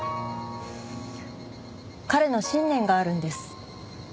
彼の信念があるんです。